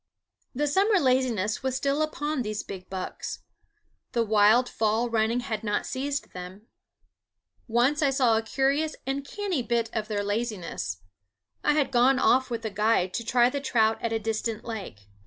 The summer laziness was still upon these big bucks; the wild fall running had not seized them. Once I saw a curious and canny bit of their laziness. I had gone off with a guide to try the trout at a distant lake.